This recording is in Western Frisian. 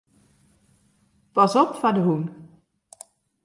Pas op foar de hûn.